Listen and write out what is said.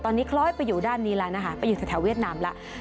ตอนนี้คล้อยไปอยู่ด้านนี้แล้วนะคะไปอยู่แถวเวียดนามแล้ว